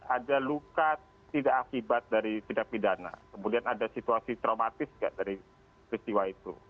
ada luka tidak akibat dari tidak pidana kemudian ada situasi traumatis nggak dari peristiwa itu